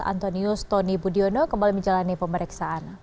antonius tony budiono kembali menjalani pemeriksaan